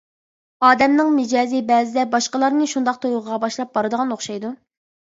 ئادەمنىڭ مىجەزى بەزىدە، باشقىلارنى شۇنداق تۇيغۇغا باشلاپ بارىدىغان ئوخشايدۇ.